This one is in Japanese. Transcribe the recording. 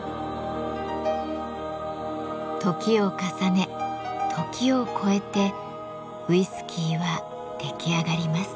時を重ね時をこえてウイスキーは出来上がります。